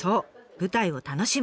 「舞台を楽しむ」。